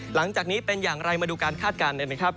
หลังจากนี้เป็นอย่างไรมาดูการคาดการณ์